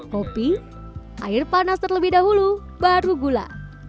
kopi air panas terlebih dahulu baru gula